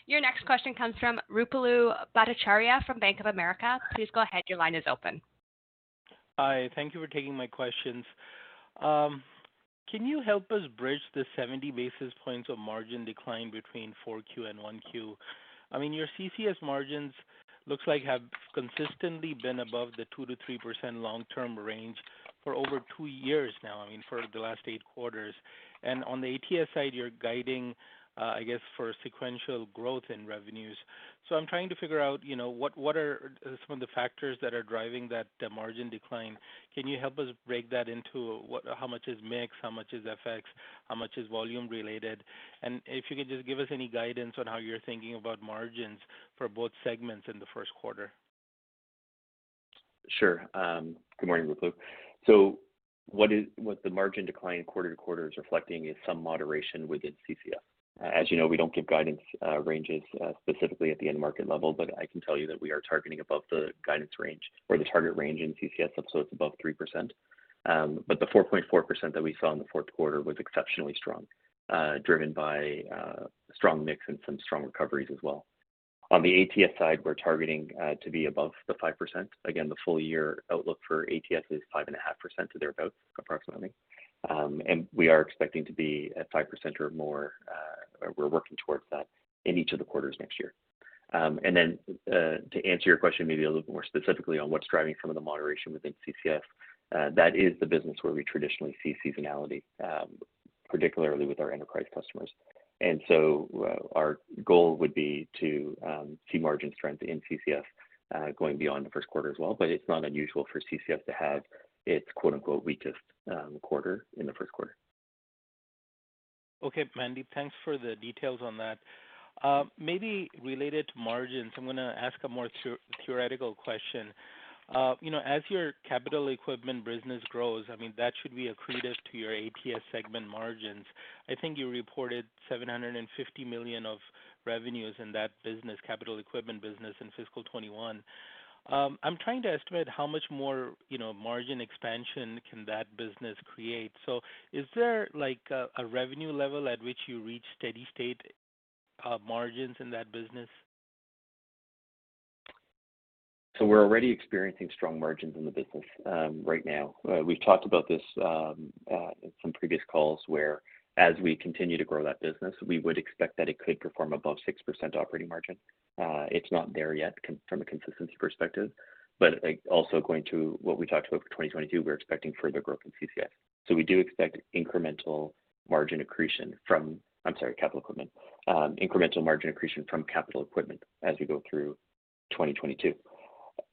Your next question comes from Ruplu Bhattacharya from Bank of America. Please go ahead. Your line is open. Hi. Thank you for taking my questions. Can you help us bridge the 70 basis points of margin decline between Q4 and Q1? I mean, your CCS margins look like have consistently been above the 2%-3% long-term range for over two years now, I mean, for the last 8 quarters. On the ATS side, you're guiding, I guess, for sequential growth in revenues. I'm trying to figure out, you know, what are some of the factors that are driving that, the margin decline? Can you help us break that into how much is mix, how much is FX, how much is volume related? If you could just give us any guidance on how you're thinking about margins for both segments in the first quarter. Sure. Good morning, Ruplu. What the margin decline quarter-over-quarter is reflecting is some moderation within CCS. As you know, we don't give guidance ranges specifically at the end market level, but I can tell you that we are targeting above the guidance range or the target range in CCS, so it's above 3%. But the 4.4% that we saw in the fourth quarter was exceptionally strong, driven by strong mix and some strong recoveries as well. On the ATS side, we're targeting to be above the 5%. Again, the full year outlook for ATS is 5.5%, so they're about approximately. And we are expecting to be at 5% or more, we're working towards that in each of the quarters next year. To answer your question maybe a little bit more specifically on what's driving some of the moderation within CCS, that is the business where we traditionally see seasonality, particularly with our enterprise customers. Our goal would be to see margin strength in CCS, going beyond the first quarter as well. It's not unusual for CCS to have its “weakest” quarter in the first quarter. Okay, Mandeep. Thanks for the details on that. Maybe related to margins, I'm gonna ask a more theoretical question. You know, as your capital equipment business grows, I mean, that should be accretive to your ATS segment margins. I think you reported $750 million of revenues in that business, capital equipment business in fiscal 2021. I'm trying to estimate how much more, you know, margin expansion can that business create. Is there, like, a revenue level at which you reach steady state margins in that business? We're already experiencing strong margins in the business, right now. We've talked about this in some previous calls, where as we continue to grow that business, we would expect that it could perform above 6% operating margin. It's not there yet from a consistency perspective, but, like, also going to what we talked about for 2022, we're expecting further growth in CCS. We do expect incremental margin accretion from capital equipment. I'm sorry, capital equipment. Incremental margin accretion from capital equipment as we go through 2022.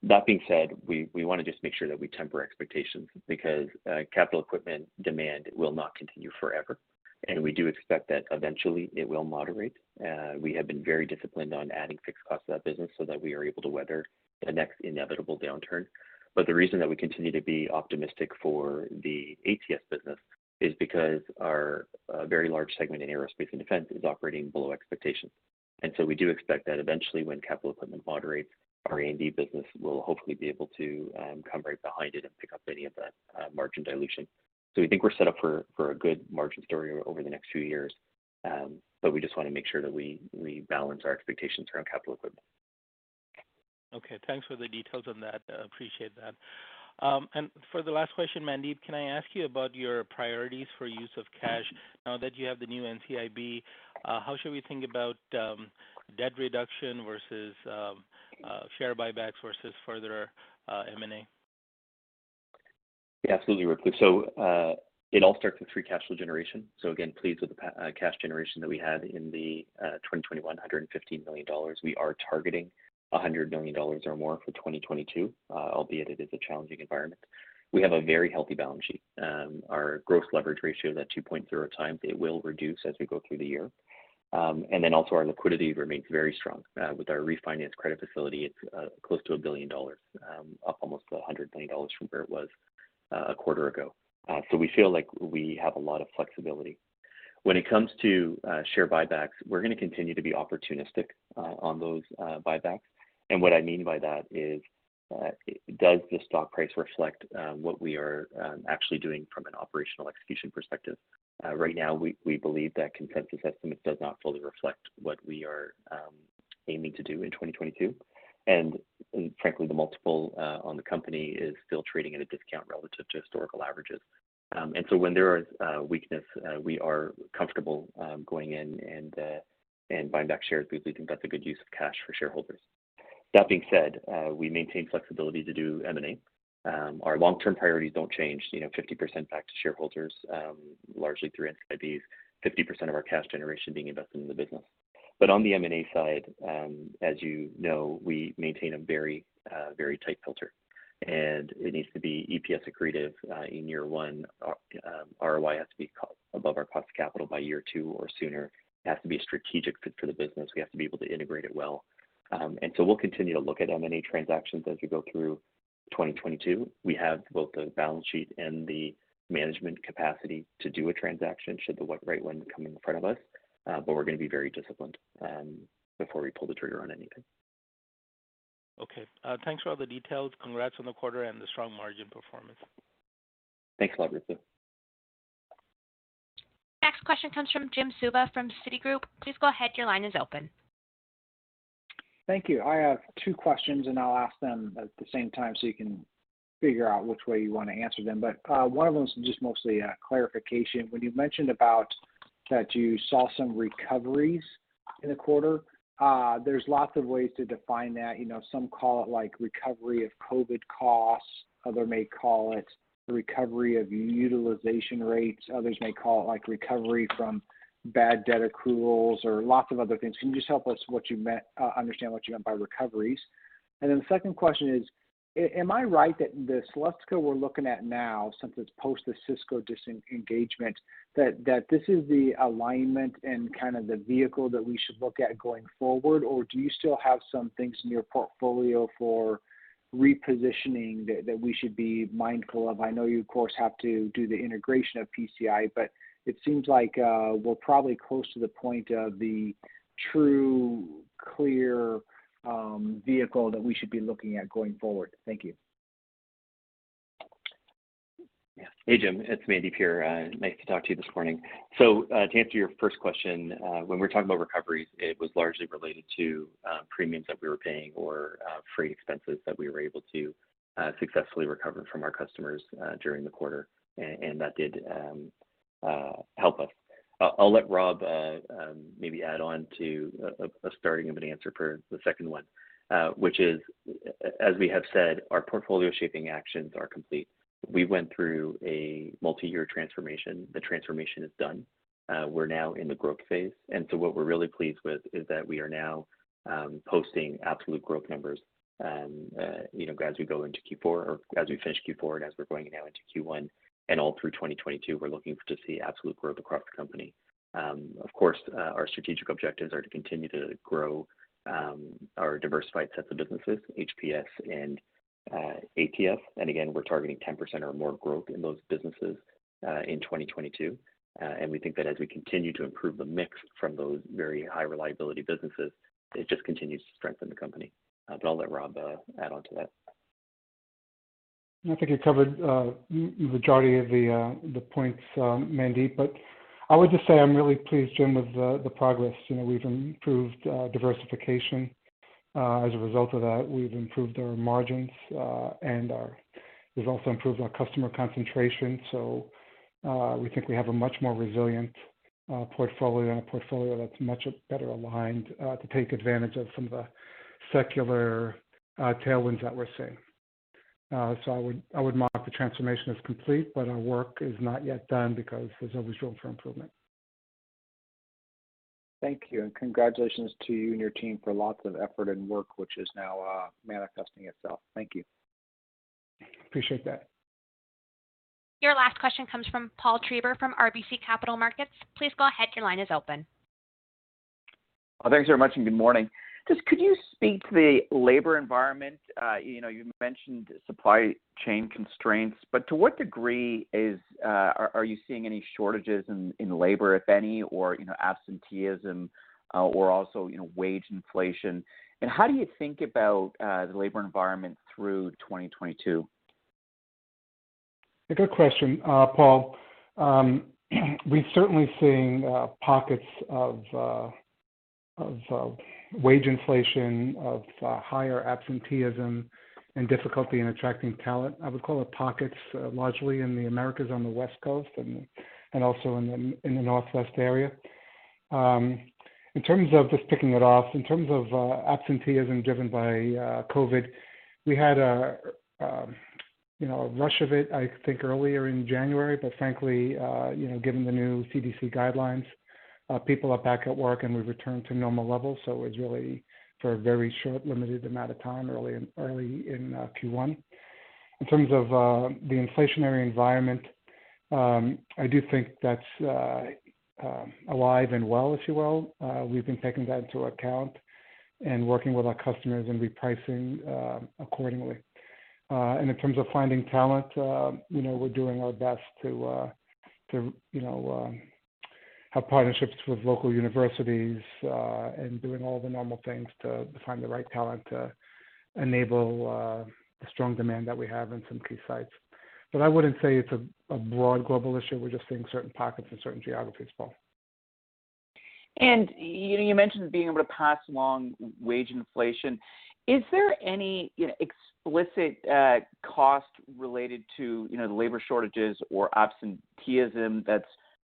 That being said, we wanna just make sure that we temper expectations because capital equipment demand will not continue forever, and we do expect that eventually it will moderate. We have been very disciplined on adding fixed costs to that business so that we are able to weather the next inevitable downturn. The reason that we continue to be optimistic for the ATS business is because our very large segment in aerospace and defense is operating below expectations. We do expect that eventually when capital equipment moderates, our A&D business will hopefully be able to come right behind it and pick up any of that margin dilution. We think we're set up for a good margin story over the next few years, but we just wanna make sure that we balance our expectations around capital equipment. Okay. Thanks for the details on that. Appreciate that. For the last question, Mandeep, can I ask you about your priorities for use of cash now that you have the new NCIB? How should we think about debt reduction versus share buybacks versus further M&A? Yeah, absolutely, Ruplu. It all starts with free cash flow generation. Again, pleased with the cash generation that we had in the 2021, $115 million. We are targeting $100 million or more for 2022, albeit it is a challenging environment. We have a very healthy balance sheet. Our gross leverage ratio is at 2.0x. It will reduce as we go through the year. And then also our liquidity remains very strong. With our refinance credit facility, it's close to $1 billion, up almost $100 million from where it was a quarter ago. We feel like we have a lot of flexibility. When it comes to share buybacks, we're gonna continue to be opportunistic on those buybacks. What I mean by that is, does the stock price reflect what we are actually doing from an operational execution perspective? Right now, we believe that consensus estimate does not fully reflect what we are aiming to do in 2022. Frankly, the multiple on the company is still trading at a discount relative to historical averages. When there is weakness, we are comfortable going in and buying back shares because we think that's a good use of cash for shareholders. That being said, we maintain flexibility to do M&A. Our long-term priorities don't change, you know, 50% back to shareholders, largely through NCIBs, 50% of our cash generation being invested in the business. On the M&A side, as you know, we maintain a very tight filter. It needs to be EPS accretive in year one. ROI has to be above our cost of capital by year two or sooner. It has to be a strategic fit for the business. We have to be able to integrate it well. We'll continue to look at M&A transactions as we go through 2022. We have both the balance sheet and the management capacity to do a transaction should the right one come in front of us. We're gonna be very disciplined before we pull the trigger on anything. Okay. Thanks for all the details. Congrats on the quarter and the strong margin performance. Thanks a lot, Ruplu. Next question comes from Jim Suva from Citigroup. Please go ahead. Your line is open. Thank you. I have two questions, and I'll ask them at the same time, so you can figure out which way you want to answer them. One of them is just mostly a clarification. When you mentioned about that you saw some recoveries in the quarter, there's lots of ways to define that. You know, some call it, like, recovery of COVID costs. Others may call it the recovery of utilization rates. Others may call it, like, recovery from bad debt accruals or lots of other things. Can you just help us understand what you meant by recoveries? And then the second question is, am I right that the Celestica we're looking at now, since it's post the Cisco disengagement, that this is the alignment and kind of the vehicle that we should look at going forward? Do you still have some things in your portfolio for repositioning that we should be mindful of? I know you of course have to do the integration of PCI, but it seems like we're probably close to the point of the true clear vehicle that we should be looking at going forward. Thank you. Yeah. Hey, Jim, it's Mandeep here. Nice to talk to you this morning. To answer your first question, when we're talking about recoveries, it was largely related to premiums that we were paying or freight expenses that we were able to successfully recover from our customers during the quarter. And that did help us. I'll let Rob maybe add on to a starting of an answer for the second one. Which is, as we have said, our portfolio shaping actions are complete. We went through a multi-year transformation. The transformation is done. We're now in the growth phase. What we're really pleased with is that we are now posting absolute growth numbers, you know, as we go into Q4 or as we finish Q4 and as we're going now into Q1 and all through 2022, we're looking to see absolute growth across the company. Of course, our strategic objectives are to continue to grow our diversified sets of businesses, HPS and ATS. And again, we're targeting 10% or more growth in those businesses in 2022. We think that as we continue to improve the mix from those very high reliability businesses, it just continues to strengthen the company. I'll let Rob add on to that. I think you covered majority of the points, Mandeep, but I would just say I'm really pleased, Jim, with the progress. You know, we've improved diversification. As a result of that, we've improved our margins and we've also improved our customer concentration. We think we have a much more resilient portfolio and a portfolio that's much better aligned to take advantage of some of the secular tailwinds that we're seeing. I would mark the transformation as complete, but our work is not yet done because there's always room for improvement. Thank you. Congratulations to you and your team for lots of effort and work, which is now manifesting itself. Thank you. Appreciate that. Your last question comes from Paul Treiber from RBC Capital Markets. Please go ahead. Your line is open. Oh, thanks very much, and good morning. Just could you speak to the labor environment? You know, you mentioned supply chain constraints, but to what degree are you seeing any shortages in labor, if any, or you know, absenteeism, or also, you know, wage inflation? How do you think about the labor environment through 2022? A good question, Paul. We're certainly seeing pockets of wage inflation, higher absenteeism and difficulty in attracting talent. I would call it pockets largely in the Americas on the West Coast and also in the Northwest area. In terms of absenteeism driven by COVID, we had a you know, a rush of it, I think, earlier in January. Frankly, you know, given the new CDC guidelines, people are back at work, and we've returned to normal levels. It was really for a very short, limited amount of time early in Q1. In terms of the inflationary environment, I do think that's alive and well, if you will. We've been taking that into account and working with our customers and repricing accordingly. In terms of finding talent, you know, we're doing our best to you know, have partnerships with local universities, and doing all the normal things to find the right talent to enable the strong demand that we have in some key sites. I wouldn't say it's a broad global issue. We're just seeing certain pockets in certain geographies, Paul. You know, you mentioned being able to pass along wage inflation. Is there any, you know, explicit, cost related to, you know, the labor shortages or absenteeism that's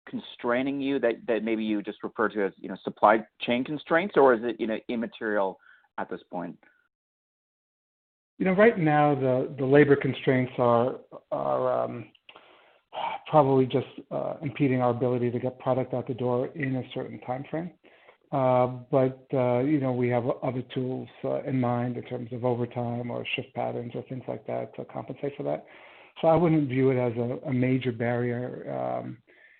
constraining you that maybe you just referred to as, you know, supply chain constraints, or is it, you know, immaterial at this point? You know, right now the labor constraints are probably just impeding our ability to get product out the door in a certain timeframe. But you know, we have other tools in mind in terms of overtime or shift patterns or things like that to compensate for that. I wouldn't view it as a major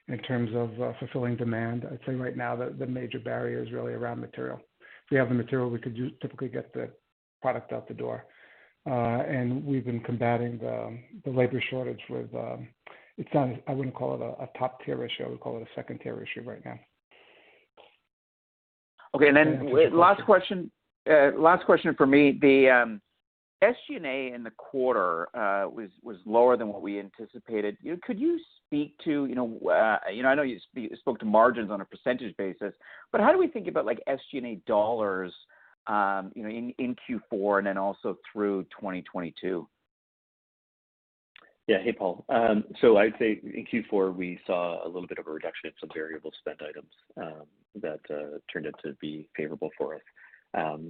barrier in terms of fulfilling demand. I'd say right now the major barrier is really around material. If we have the material we could use to typically get the product out the door. We've been combating the labor shortage. I wouldn't call it a top-tier issue, I would call it a second-tier issue right now. Okay. Last question for me, the SG&A in the quarter was lower than what we anticipated. You know, could you speak to, you know, you know, I know you spoke to margins on a percentage basis, but how do we think about like SG&A dollars, you know, in Q4 and then also through 2022? Yeah. Hey, Paul. I'd say in Q4 we saw a little bit of a reduction in some variable spend items that turned out to be favorable for us.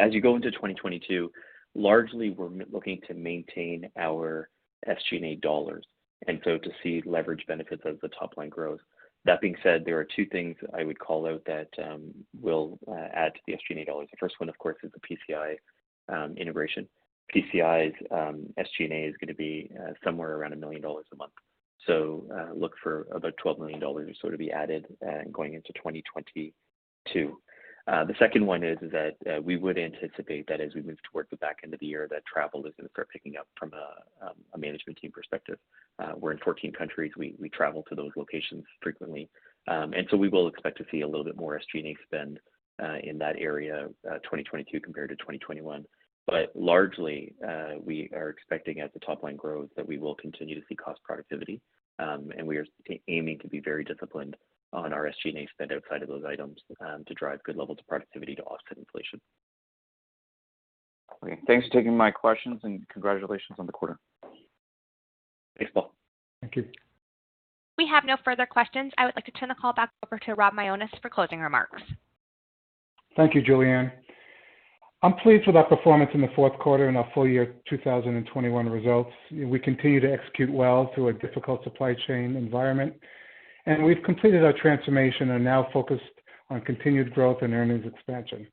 As you go into 2022, largely we're looking to maintain our SG&A dollars, and so to see leverage benefits of the top line growth. That being said, there are two things I would call out that will add to the SG&A dollars. The first one, of course, is the PCI integration. PCI's SG&A is gonna be somewhere around $1 million a month. Look for about $12 million or so to be added, going into 2022. The second one is that we would anticipate that as we move towards the back end of the year, that travel is gonna start picking up from a management team perspective. We're in 14 countries. We travel to those locations frequently. We will expect to see a little bit more SG&A spend in that area, 2022 compared to 2021. Largely, we are expecting as the top line grows, that we will continue to see cost productivity. We are aiming to be very disciplined on our SG&A spend outside of those items to drive good levels of productivity to offset inflation. Okay. Thanks for taking my questions and congratulations on the quarter. Thanks, Paul. Thank you. We have no further questions. I would like to turn the call back over to Rob Mionis for closing remarks. Thank you, Julianne. I'm pleased with our performance in the fourth quarter and our full year 2021 results. We continue to execute well through a difficult supply chain environment, and we've completed our transformation and now focused on continued growth and earnings expansion.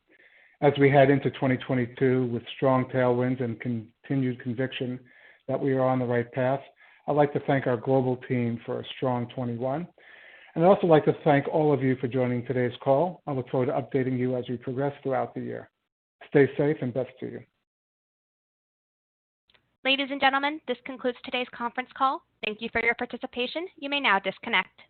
As we head into 2022 with strong tailwinds and continued conviction that we are on the right path, I'd like to thank our global team for a strong 2021. I'd also like to thank all of you for joining today's call. I look forward to updating you as we progress throughout the year. Stay safe and best to you. Ladies and gentlemen, this concludes today's conference call. Thank you for your participation. You may now disconnect.